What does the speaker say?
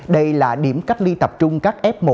đây là điểm cách ly tập trung các f một